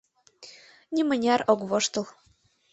Нимыняр ок воштыл.